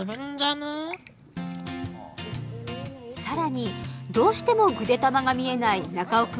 更にどうしてもぐでたまが見えない中尾君